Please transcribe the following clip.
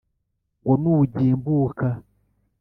ngo nugimbuka